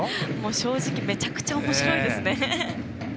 正直めちゃくちゃおもしろいですね。